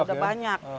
iya udah banyak